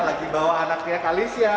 lagi bawa anaknya kalisia